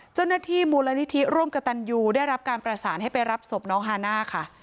เจ้าหน้าที่มูลนิธิร่วมกับตันยูได้รับการประสานให้ไปรับศพน้องฮาน่าค่ะ